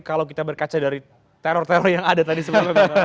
kalau kita berkaca dari teror teror yang ada tadi sebelumnya